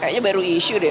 kayaknya baru isu deh